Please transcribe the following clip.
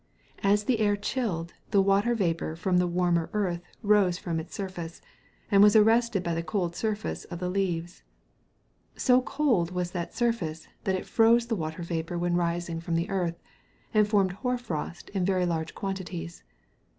As the air chilled, the water vapour from the warmer earth rose from its surface, and was arrested by the cold surface of the leaves. So cold was that surface that it froze the water vapour when rising from the earth, and formed hoar frost in very large quantities.